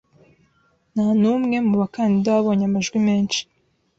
Nta n'umwe mu bakandida wabonye amajwi menshi.